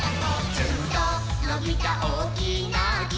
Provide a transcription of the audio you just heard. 「ヅンとのびたおおきなき」